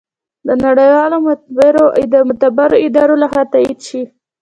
د نړیوالو معتبرو ادارو لخوا تائید شي